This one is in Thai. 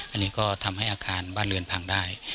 อันนี้ก็ทำให้อาคารบ้านเรือนพังได้